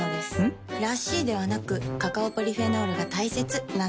ん？らしいではなくカカオポリフェノールが大切なんです。